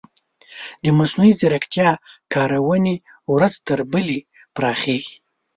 د مصنوعي ځیرکتیا کارونې ورځ تر بلې پراخیږي.